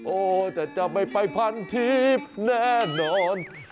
โอ้แต่จะไม่ไปพันทีฟแน่นอน